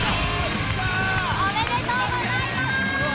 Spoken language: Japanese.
おめでとうございます！